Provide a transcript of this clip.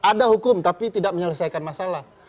ada hukum tapi tidak menyelesaikan masalah